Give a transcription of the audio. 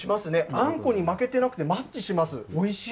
あんこに負けてなくて、マッチします、おいしい。